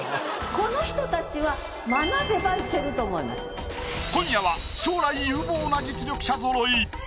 この人たちは今夜は将来有望な実力者ぞろい。